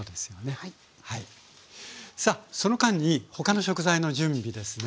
さあその間に他の食材の準備ですね。